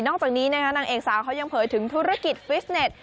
จากนี้นะคะนางเอกสาวเขายังเผยถึงธุรกิจฟิสเน็ต